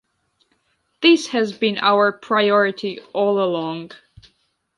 This has been our priority all along.